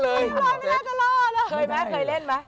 เคยมั้ยเคยเล่นมั้ย